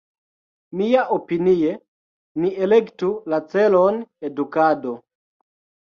Mia-opinie ni elektu la celon edukado.